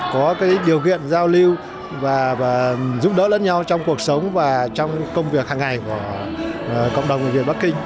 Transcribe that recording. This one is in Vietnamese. có điều kiện giao lưu và giúp đỡ lẫn nhau trong cuộc sống và trong công việc hàng ngày của cộng đồng người việt bắc kinh